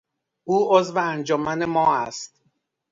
او عضو انجمن ما است.